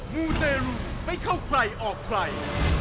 มูเตรลูไม่เข้าใครออกใคร